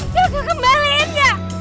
jaka kembalin ya